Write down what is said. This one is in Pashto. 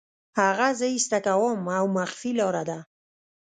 هغه زه ایسته کوم او مخفي لاره ده